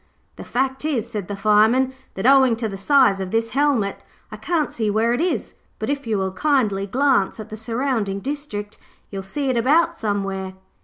'The fact is,' said the Fireman, 'that owing to the size of this helmet I can't see where it is; but if you will kindly glance at the surrounding district, you'll see it about somewhere.'